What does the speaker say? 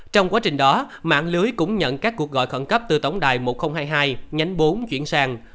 trong quá trình đó mạng lưới cũng nhận các cuộc gọi khẩn cấp từ tổng đài một nghìn hai mươi hai nhánh bốn chuyển sang